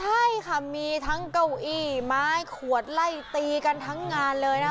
ใช่ค่ะมีทั้งเก้าอี้ไม้ขวดไล่ตีกันทั้งงานเลยนะคะ